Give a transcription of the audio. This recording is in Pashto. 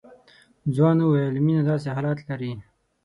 ځوان وويل مينه داسې حالات لري.